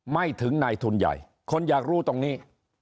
ไม่ถึงนายทุนใหญ่คนอยากรู้ตรงนี้